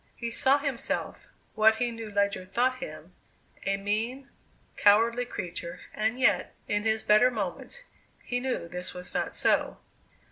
He saw himself what he knew Ledyard thought him a mean, cowardly creature, and yet, in his better moments, he knew this was not so.